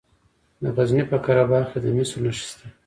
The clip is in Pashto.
د غزني په قره باغ کې د مسو نښې شته.